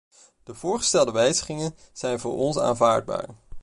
De voorgestelde wijzigingen zijn voor ons aanvaardbaar.